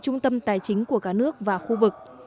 trung tâm tài chính của cả nước và khu vực